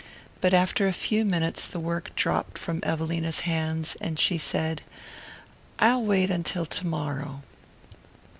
But after a few minutes the work dropped from Evelina's hands and she said: "I'll wait until to morrow."